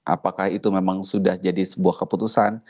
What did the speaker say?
apakah itu memang sudah jadi sebuah keputusan